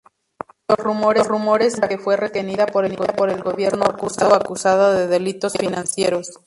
Los rumores afirman que fue retenida por el gobierno ruso acusada de delitos financieros.